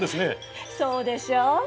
そうでしょ？